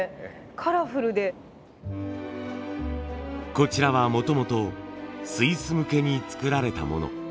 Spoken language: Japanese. こちらはもともとスイス向けに作られたもの。